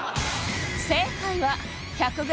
正解は１００ｇ